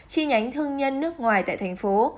chi nhánh thương nhân nước ngoài tại thành phố